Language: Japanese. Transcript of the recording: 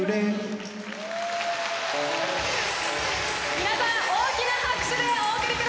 皆さん大きな拍手でお送りください！